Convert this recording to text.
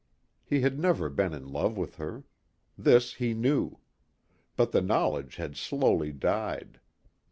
He had never been in love with her. This he knew. But the knowledge had slowly died.